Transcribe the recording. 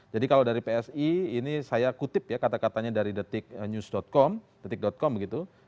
jadi kalau dari psi ini saya kutip ya kata katanya dari detiknews com detik com begitu